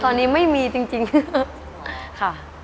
ตอนนี้ยังไม่มีเลยค่ะตอนนี้ไม่มีจริง